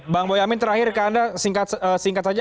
bang boyamin terakhir ke anda singkat saja